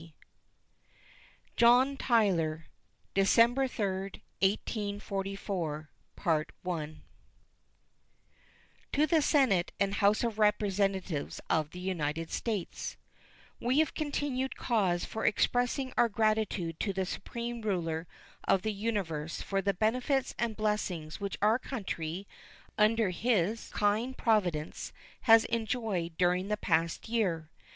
State of the Union Address John Tyler December 3, 1844 To the Senate and House of Representatives of the United States: We have continued cause for expressing our gratitude to the Supreme Ruler of the Universe for the benefits and blessings which our country, under His kind providence, has enjoyed during the past year.